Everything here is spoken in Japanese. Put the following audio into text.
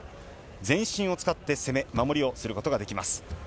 全身を使って攻め、守りをすることができます。